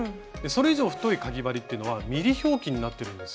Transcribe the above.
それ以上太いかぎ針っていうのはｍｍ表記になってるんです。